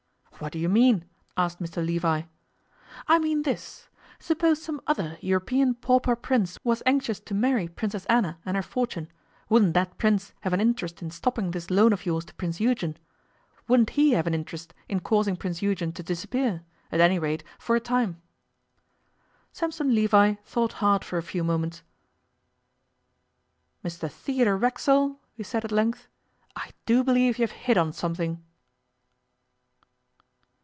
'What do you mean?' asked Mr Levi. 'I mean this: Suppose some other European pauper Prince was anxious to marry Princess Anna and her fortune, wouldn't that Prince have an interest in stopping this loan of yours to Prince Eugen? Wouldn't he have an interest in causing Prince Eugen to disappear at any rate, for a time?' Sampson Levi thought hard for a few moments. 'Mr Theodore Racksole,' he said at length, 'I do believe you have hit on something.